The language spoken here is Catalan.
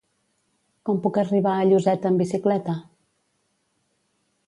Com puc arribar a Lloseta amb bicicleta?